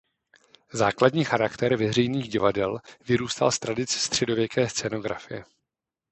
Základní charakter veřejných divadel vyrůstal z tradic středověké scénografie.